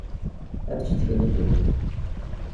Ad d-ttcetkin i ddunit.